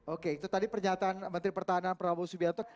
oke itu tadi pernyataan menteri pertahanan prabowo subianto